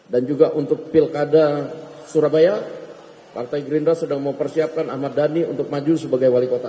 dan juga untuk pilkada surabaya partai green rush sedang mempersiapkan ahmad dhani untuk maju sebagai wali kota